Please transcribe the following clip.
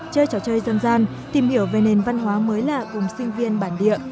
chơi trò chơi dân gian tìm hiểu về nền văn hóa mới lạ cùng sinh viên bản địa